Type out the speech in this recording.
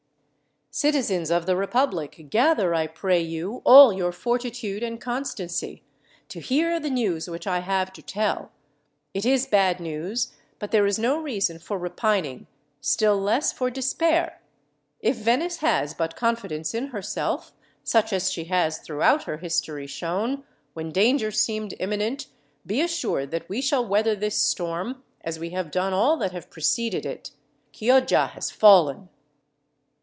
"Citizens of the republic, gather, I pray you, all your fortitude and constancy, to hear the news which I have to tell. It is bad news; but there is no reason for repining, still less for despair. If Venice has but confidence in herself, such as she has throughout her history shown, when danger seemed imminent, be assured that we shall weather this storm, as we have done all that have preceded it. Chioggia has fallen!"